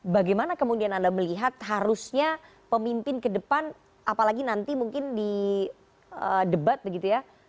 bagaimana kemudian anda melihat harusnya pemimpin ke depan apalagi nanti mungkin di debat begitu ya